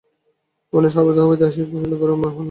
অবিনাশ হাঁপাইতে হাঁপাইতে আসিয়া কহিল, গৌরমোহনবাবু, এ কী কাণ্ড!